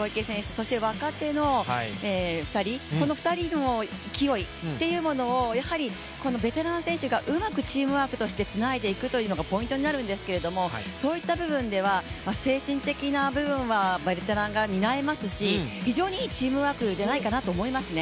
そして若手の２人の勢いというものをやはりベテラン選手がうまくチームワークとしてつないでいくというのがポイントになるんですけれどもそういった部分では精神的な部分はベテランが担いますし非常にいいチームワークじゃないかなと思いますね。